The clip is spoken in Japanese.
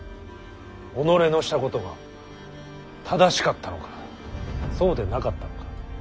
己のしたことが正しかったのかそうでなかったのか。